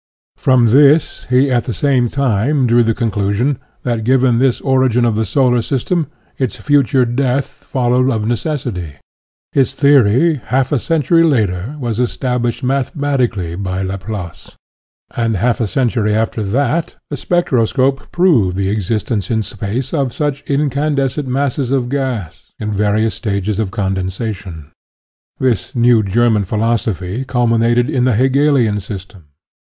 From this he at the same time drew the conclusion that, given this origin of the solar system, its future death followed of necessity. His theory half a century later was established mathematically by Laplace, and half a cen tury after that the spectroscope proved the existence in space of such incandescent UTOPIAN AND SCIENTIFIC 85 masses of gas in various stages of conden sation. This new German philosophy culminated in the Hegelian system.